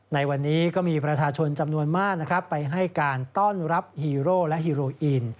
ในวันนี้ก็มีประชาชนจำนวนมากนะครับไปให้การต้อนรับฮีโร่และฮีโรอีน